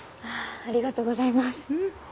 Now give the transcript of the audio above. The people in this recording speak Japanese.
ありがとうございます。